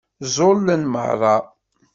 Ẓẓulen meṛṛa.